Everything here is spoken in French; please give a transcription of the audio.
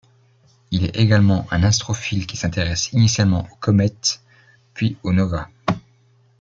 Il est également un astrophile qui s'intéresse initialement aux comètes, puis aux novae.